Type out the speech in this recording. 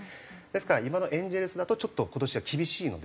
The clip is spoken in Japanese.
ですから今のエンゼルスだとちょっと今年は厳しいので。